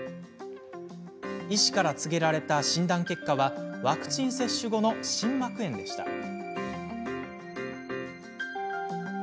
医師から告げられた診断結果はワクチン接種後の心膜炎でした。